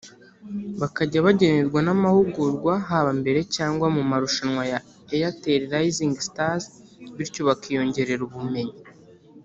bakajya bagenerwa n’amahugurwa haba mbere cyangwa mu marushanwa ya Airtel Rising Stars bityo bakiyongerera ubumenyi